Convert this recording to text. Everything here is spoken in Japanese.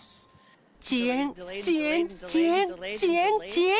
遅延、遅延、遅延、遅延、遅延。